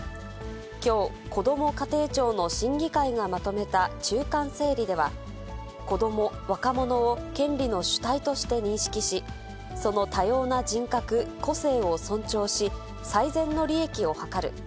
きょう、こども家庭庁の審議会がまとめた中間整理では、こども、若者を権利の主体として認識し、その多様な人格、個性を尊重し、最善の利益を図る。